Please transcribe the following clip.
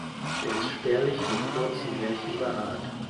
Er ist spärlich mit kurzen Härchen behaart.